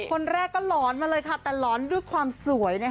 คนแรกก็ล้อนมาเลยแล้วล้อนด้วยความสวย